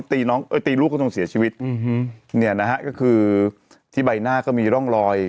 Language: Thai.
น้องเอ้ยตีลูกก็ต้องเสียชีวิตอืมเนี่ยนะฮะก็คือที่ใบหน้าก็มีร่องรอย